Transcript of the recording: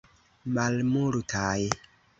Malmultaj.